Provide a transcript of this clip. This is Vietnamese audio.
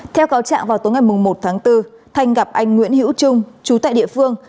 theo cáo trạng vào tối ngày một tháng bốn thanh gặp anh nguyễn hữu trung chú tại địa phương